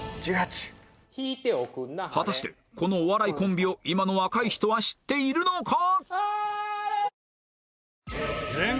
果たしてこのお笑いコンビを今の若い人は知っているのか？